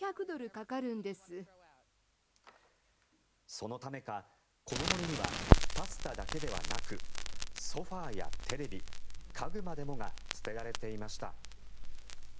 そのためか、この森にはパスタだけではなくソファやテレビ、家具までもが捨てられていました。